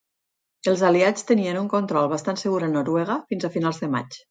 Els Aliats tenien un control bastant segur a Noruega fins a finals de maig.